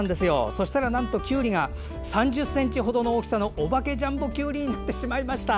そしたら、なんときゅうりが３０ｃｍ程の大きさのお化けジャンボきゅうりになってしまいました。